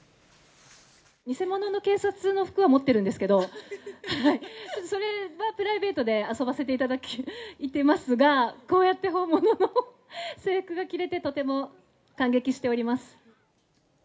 偽物の警察の服は持ってるんですけど、それはプライベートで遊ばせていただいてますが、こうやって本物の制服が着れて、とても感激しております。